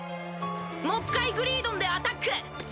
もっかいグリードンでアタック！